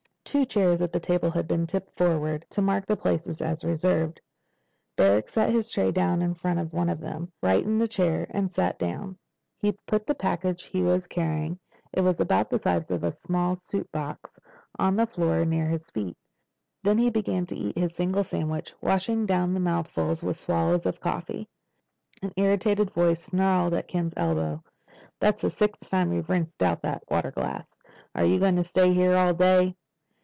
Two chairs at the table had been tipped forward, to mark the places as reserved. Barrack set his tray down in front of one of them, righted the chair, and sat down. He put the package he was carrying—it was about the size of a small suit box—on the floor near his feet. Then he began to eat his single sandwich, washing down the mouthfuls with swallows of coffee. An irritated voice snarled at Ken's elbow. "That's the sixth time you've rinsed out that water glass. You going to stay here all day?"